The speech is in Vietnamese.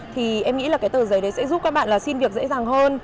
thì em nghĩ là cái tờ giấy đấy sẽ giúp các bạn là xin việc dễ dàng hơn